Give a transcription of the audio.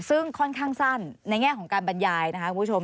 ซึ่งค่อนข้างสั้นในแง่ของการบรรยายนะคะคุณผู้ชม